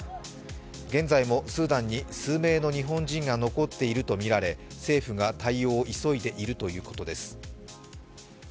現在もスーダンに数名の日本人が残っているとみられ政府が対応を急いでいるということです。